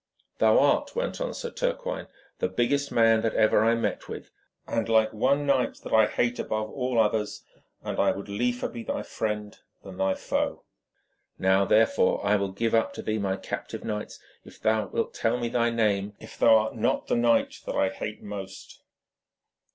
'Thou art,' went on Sir Turquine, 'the biggest man that ever I met with, and like one knight that I hate above all others, and I would liefer be thy friend than thy foe. Now, therefore, I will give up to thee my captive knights if thou wilt tell me thy name, and if thou art not the knight I hate most.'